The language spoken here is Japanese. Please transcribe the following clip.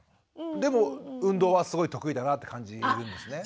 でも運動はすごい得意だなって感じるんですね。